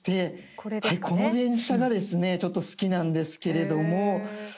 この電車がですねちょっと好きなんですけれども。